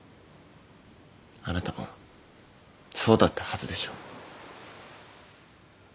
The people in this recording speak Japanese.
あなたもそうだったはずでしょ？